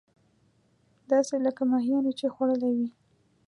داسې لکه ماهيانو چې خوړلې وي.